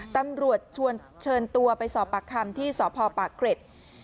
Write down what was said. ตำรวจเชิญตัวไปสอบปากคำที่สพปากเกร็ด